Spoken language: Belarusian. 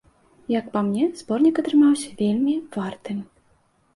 Як па мне, зборнік атрымаўся вельмі вартым.